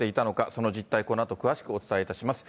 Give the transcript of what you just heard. その実態、このあと詳しくお伝えいたします。